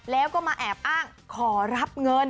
แล้วก็มาแอบอ้างขอรับเงิน